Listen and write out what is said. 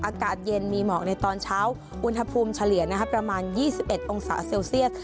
อากาศเย็นมีหมอกในตอนเช้าอุณหภูมิเฉลี่ยประมาณ๒๑องศาเซลเซียส